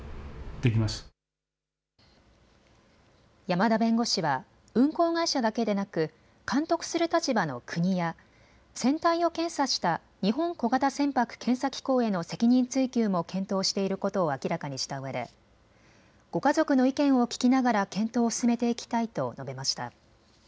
山田弁護士は運航会社だけでなく監督する立場の国や船体を検査した日本小型船舶検査機構への責任追及も検討していることを明らかにしたうえでご家族の意見を聞きながら検討を進めていきたいと述べました。